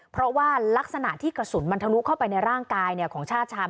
เพราะว่ารักษณะที่กระสุนมันทะลุเข้าไปในร่างกายของชาติชาม